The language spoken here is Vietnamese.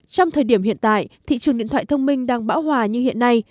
trong thời điểm hiện tại thị trường điện thoại thông minh đang bão hòa như hiện nay